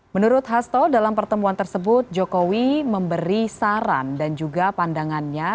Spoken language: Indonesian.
menurut hasto dalam pertemuan tersebut jokowi memberi saran dan juga pandangannya